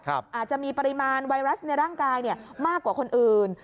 อาจจะมีปริมาณไวรัสในร่างกายมากกว่าคนอื่น